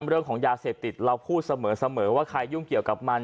เรื่องของยาเสพติดเราพูดเสมอว่าใครยุ่งเกี่ยวกับมัน